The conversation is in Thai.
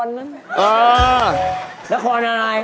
น่ากรอะไร